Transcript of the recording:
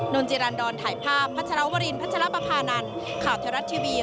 นนจิรันดรถ่ายภาพพระเจราวรินทร์พระเจราประพานันทร์